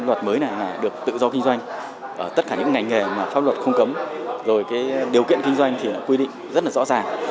luật mới này được tự do kinh doanh tất cả những ngành nghề mà pháp luật không cấm rồi cái điều kiện kinh doanh thì quy định rất là rõ ràng